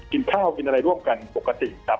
กินข้าวกินอะไรร่วมกันปกติครับ